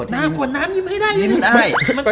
น้ำขวดน้ำยิ้มให้ได้